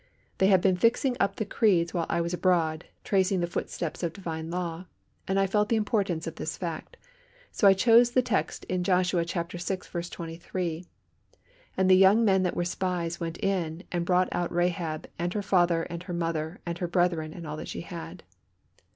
They had been fixing up the creeds while I was abroad, tracing the footsteps of divine law, and I felt the importance of this fact. So I chose the text in Joshua vi. 23, "And the young men that were spies went in and brought out Rahab, and her father and her mother, and her brethren, and all that she had."